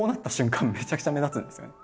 めちゃくちゃ目立つんですよね。